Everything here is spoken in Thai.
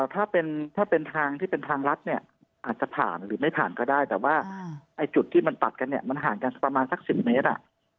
ถ้าเป็นทางที่เป็นทางรัดเนี่ยอาจจะผ่านหรือไม่ผ่านก็ได้แต่ว่าจุดที่มันตัดกันเนี่ยมันห่างกันประมาณสัก๑๐เมตร